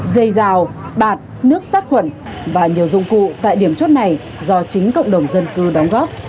dây rào bạt nước sát khuẩn và nhiều dụng cụ tại điểm chốt này do chính cộng đồng dân cư đóng góp